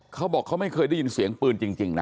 เขาบอกเขาไม่เคยได้ยินเสียงปืนจริงนะ